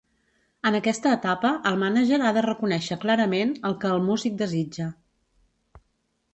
En aquesta etapa, el mànager ha de reconèixer clarament el que el músic desitja.